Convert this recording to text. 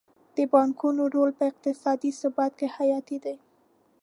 د بانکونو رول په اقتصادي ثبات کې حیاتي دی.